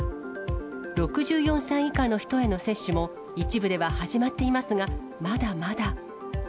６４歳以下の人への接種も一部では始まっていますが、まだまだ。